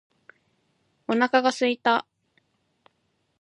お腹が空いた。